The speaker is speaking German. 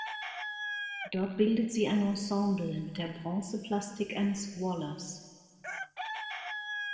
Dort bildet sie ein Ensemble mit der Bronzeplastik eines Wallers.